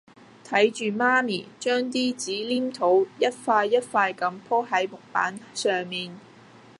睇住媽咪將啲紙黏土一塊一塊咁舖喺木板上面